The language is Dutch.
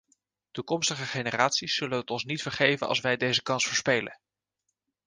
Toekomstige generaties zullen het ons niet vergeven als wij deze kans verspelen.